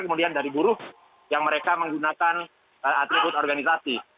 kemudian dari buruh yang mereka menggunakan atribut organisasi